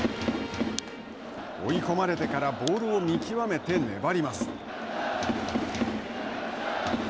追い込まれてからボールを見極めて粘ります。